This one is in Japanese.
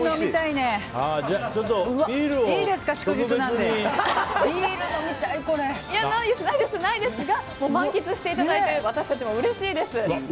ないですが、満喫していただいて私たちもうれしいです。